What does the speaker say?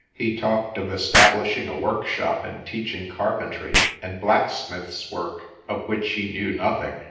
He talked of establishing a workshop and teaching carpentry and blacksmith's work, of which he knew nothing.